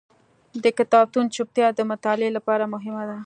د کتابتون چوپتیا د مطالعې لپاره مهمه ده.